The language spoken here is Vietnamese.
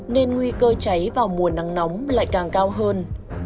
nên nguy cơ cháy vào mùa nắng nóng lại càng cao hơn